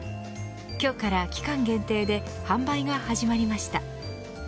今日から期間限定で販売が始まりました。